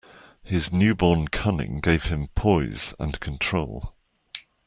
His newborn cunning gave him poise and control.